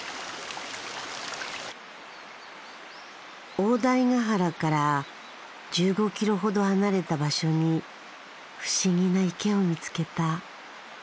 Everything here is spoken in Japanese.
大台ヶ原から１５キロほど離れた場所に不思議な池を見つけた。